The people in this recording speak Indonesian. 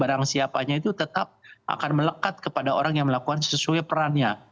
barang siapanya itu tetap akan melekat kepada orang yang melakukan sesuai perannya